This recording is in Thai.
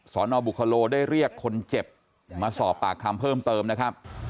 นบุคโลได้เรียกคนเจ็บมาสอบปากคำเพิ่มเติมนะครับ